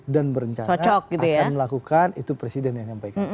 dan berencana akan melakukan itu presiden yang menyampaikan